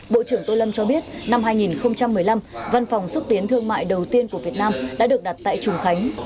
bộ trưởng tô lâm cho biết năm hai nghìn một mươi năm văn phòng xúc tiến thương mại đầu tiên của việt nam đã được đặt tại trùng khánh